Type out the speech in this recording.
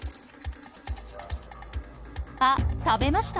あっ食べました！